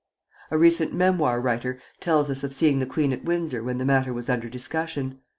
A recent memoir writer tells us of seeing the queen at Windsor when the matter was under discussion.